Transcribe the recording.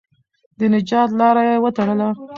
د نجات لاره یې وتړله.